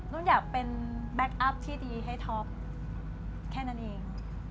นุ่นอยากเป็นแบ็คอัพที่ดีให้ท็อปแค่นั้นเอง